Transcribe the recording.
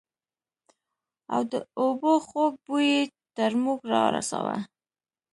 او د اوبو خوږ بوى يې تر موږ رارساوه.